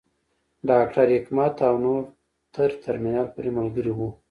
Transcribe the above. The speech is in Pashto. ډاکټر حکمت او نور تر ترمینل پورې ملګري وو.